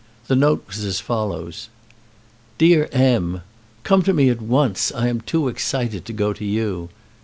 The note was as follows: DEAR M., Come to me at once. I am too excited to go to you.